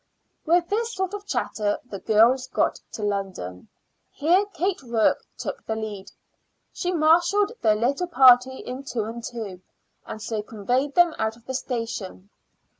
With this sort of chatter the girls got to London. Here Kate Rourke took the lead. She marshaled the little party in two and two, and so conveyed them out of the station.